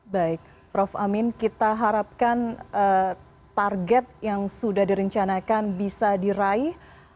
baik prof amin kita harapkan target yang sudah direncanakan bisa diraih